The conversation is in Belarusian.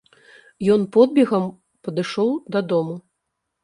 Ён подбегам падышоў дадому.